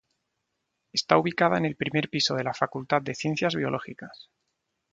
Está ubicada en el primer piso de la Facultad de Ciencias Biológicas.